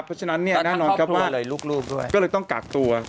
เพราะฉะนั้นเนี่ยน่านอนครับว่าก็เลยต้องกากตัว